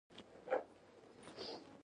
تا غوندې یو څوک د ښې بېلګې په توګه وښیي.